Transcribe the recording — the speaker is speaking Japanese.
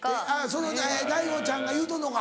そのＤａｉＧｏちゃんが言うとんのか。